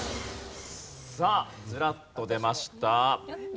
さあずらっと出ました。